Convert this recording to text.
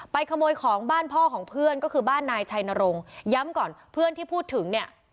ขโมยของบ้านพ่อของเพื่อนก็คือบ้านนายชัยนรงค์ย้ำก่อนเพื่อนที่พูดถึงเนี่ย